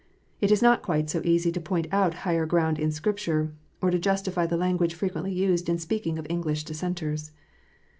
It is not quite so easy to point out higher ground in Scripture, or to justify the language frequently used in speaking of English Dissenters.